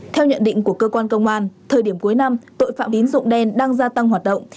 theo nhận định của cơ quan công an thời điểm cuối năm tội phạm tín dụng đen đang gia tăng hoạt động